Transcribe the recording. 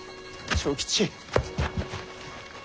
長吉。